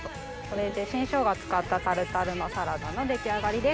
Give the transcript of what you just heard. これで新ショウガを使ったタルタルのサラダの出来上がりです。